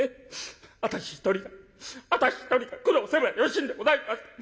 私一人が私一人が苦労すればよろしいんでございます。